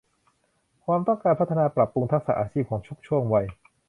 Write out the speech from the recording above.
ความต้องการพัฒนาปรับปรุงทักษะอาชีพของทุกช่วงวัย